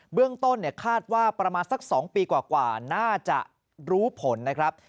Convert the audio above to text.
เรื่องต้นคาดว่าประมาณสัก๒ปีกว่าน่าจะรู้ผลนะครับ